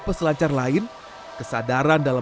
peselancar lain kesadaran dalam